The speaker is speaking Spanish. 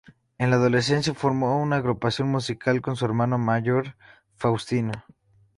En la adolescencia formó una agrupación musical con su hermano mayor, Faustino.